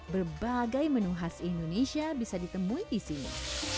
berbagai menu khas indonesia bisa ditemui disini